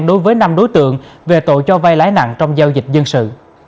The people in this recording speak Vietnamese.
đối với năm đối tượng về tội cho vai lãi nặng trong giao dịch dân sự